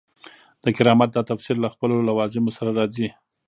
د کرامت دا تفسیر له خپلو لوازمو سره راځي.